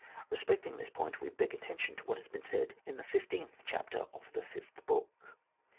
Eespecting this point, we beg attention to what has been said in the fifteenth chapter of the fifth book.